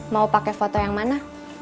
mau pakai foto yang mana